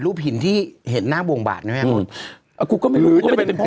อื้อคุณบ้านแม่